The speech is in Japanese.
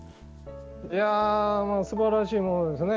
いやすばらしいものですね。